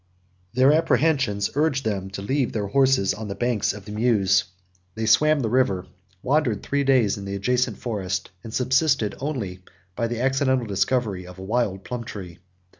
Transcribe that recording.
Their apprehensions urged them to leave their horses on the banks of the Meuse; 109 they swam the river, wandered three days in the adjacent forest, and subsisted only by the accidental discovery of a wild plum tree.